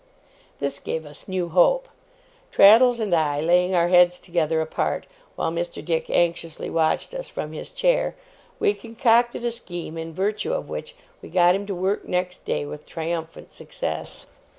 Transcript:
This gave us new hope. Traddles and I laying our heads together apart, while Mr. Dick anxiously watched us from his chair, we concocted a scheme in virtue of which we got him to work next day, with triumphant success.